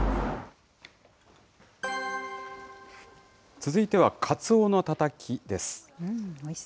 続いては、カツオのたたきです。